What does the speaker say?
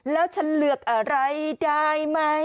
แล้วฉันเลือกอะไรได้ไหม